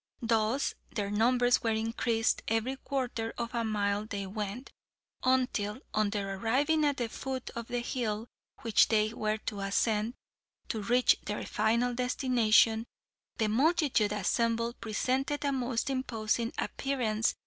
Thus, their numbers were increased every quarter of a mile they went, until, on their arriving at the foot of the hill which they were to ascend, to reach their final destination, the multitude assembled presented a most imposing appearance.